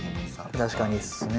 確かにですね。